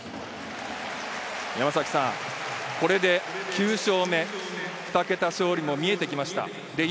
山崎さん、これで９勝目、２桁勝利も見えてきました。